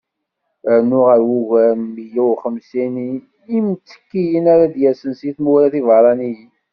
Rnu ɣer wugar n miyya u xemsin n yimttekkiyen ara d-yasen seg tmura tiberraniyin.